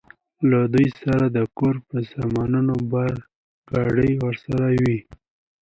له دوی سره د کور په سامانونو بار، ګاډۍ ورسره وې.